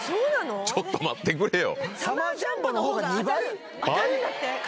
ちょっと待ってくれよ！